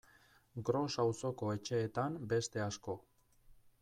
Gros auzoko etxeetan beste asko.